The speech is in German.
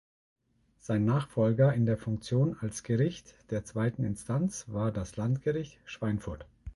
Sein Nachfolger in der Funktion als Gericht der zweiten Instanz war das Landgericht Schweinfurt.